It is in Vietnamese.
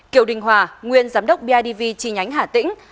kiều đình hòa nguyên giám đốc bidv chi nhánh hà tĩnh